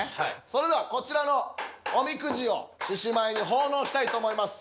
それではこちらのおみくじを獅子舞に奉納したいと思います。